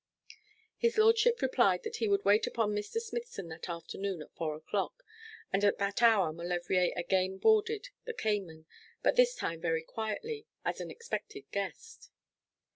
His lordship replied that he would wait upon Mr. Smithson that afternoon at four o'clock, and at that hour Maulevrier again boarded the Cayman; but this time very quietly, as an expected guest.